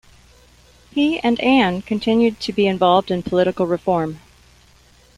He and Ann continued to be involved in political reform.